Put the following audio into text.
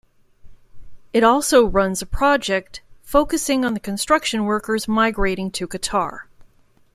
It also runs a project focusing on construction workers migrating to Qatar.